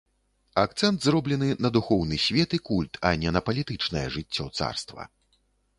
Акцэнт зроблены на духоўны свет і культ, а не на палітычнае жыццё царства.